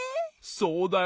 そうだよな。